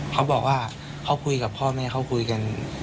เขาบอกว่าเขาคุยกับพ่อแม่เขาคุยกัน